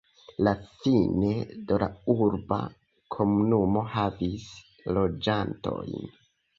La Fine de la urba komunumo havis loĝantojn.